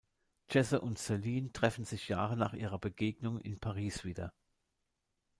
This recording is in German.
Jesse und Celine treffen sich Jahre nach ihrer Begegnung in Paris wieder.